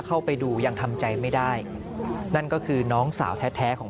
เข้าไปดูยังทำใจไม่ได้นั่นก็คือน้องสาวแท้แท้ของ